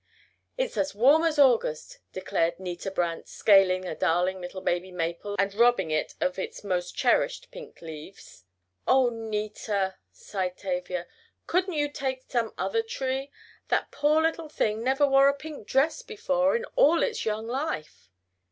"It's as warm as August," declared Nita Brant, scaling a darling little baby maple and robbing it of its most cherished pink leaves. "Oh, Nita," sighed Tavia, "couldn't you take some other tree? That poor little thing never wore a pink dress before in all its young life!"